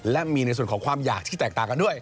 และมีในส่วนของความอยากที่แตกต่างกันด้วย